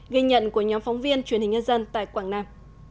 ghi nhận của nhóm phóng viên truyền hình nhân dân tại quảng nam